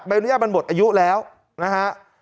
อนุญาตมันหมดอายุแล้วนะฮะ